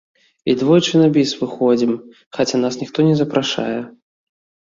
І двойчы на біс выходзім, хаця нас ніхто не запрашае.